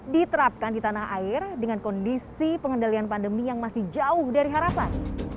diterapkan di tanah air dengan kondisi pengendalian pandemi yang masih jauh dari harapan